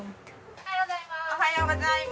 おはようございます。